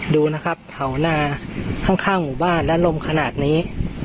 ดูนะครับเผานาข้างหมู่บ้านและลมขนาดนี้